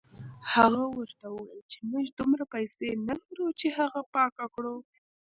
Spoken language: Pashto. هغه ورته وویل چې موږ دومره پیسې نه لرو چې هغه پاکه کړو.